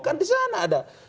kan di sana ada